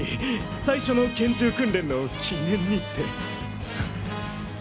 最初の拳銃訓練の記念にって。